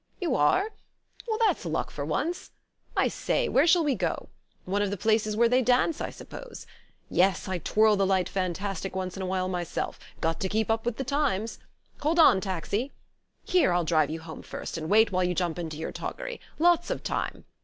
You are? Well, that's luck for once! I say, where shall we go? One of the places where they dance, I suppose? Yes, I twirl the light fantastic once in a while myself. Got to keep up with the times! Hold on, taxi! Here I'll drive you home first, and wait while you jump into your toggery. Lots of time."